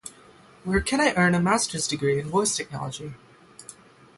Where can I earn a master's degree in voice technology?